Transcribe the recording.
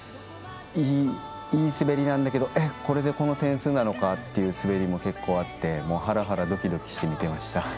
いい滑りなんだけどこれでこの点数なのかみたいな滑りも結構あってハラハラドキドキして見ていました。